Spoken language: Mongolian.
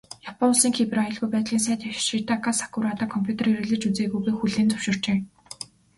Япон улсын Кибер аюулгүй байдлын сайд Ёшитака Сакурада компьютер хэрэглэж үзээгүйгээ хүлээн зөвшөөрчээ.